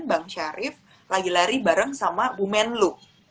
bang syarif lagi lari bareng sama bumen lu